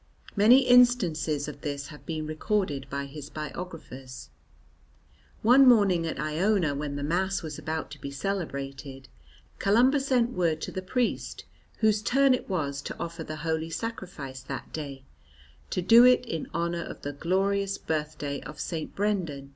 Many instances of this have been recorded by his biographers. One morning at Iona when the Mass was about to be celebrated, Columba sent word to the priest whose turn it was to offer the Holy Sacrifice that day, to do it in honour of the glorious birthday of St. Brendan.